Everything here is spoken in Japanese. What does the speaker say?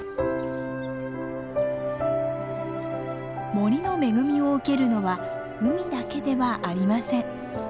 森の恵みを受けるのは海だけではありません。